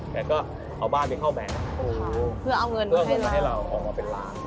แต่ก็เอาบ้านไปเข้าแบงค์เพื่อเอาเงินมาให้เราออกมาเป็นร้าน